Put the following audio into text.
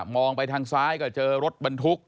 องไปทางซ้ายก็เจอรถบรรทุก